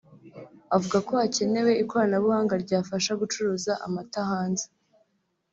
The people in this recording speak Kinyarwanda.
avuga ko hakenewe ikoranabuhanga ryafasha gucuruza amata hanze